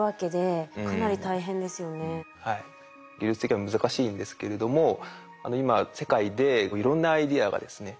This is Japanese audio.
技術的には難しいんですけれども今世界でいろんなアイデアがですね